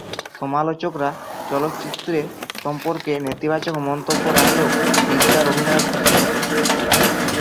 সমালোচকরা চলচ্চিত্রে সম্পর্কে নেতিবাচক মন্তব্য রাখলেও বিদ্যার অভিনয়ের প্রশংসা করেন।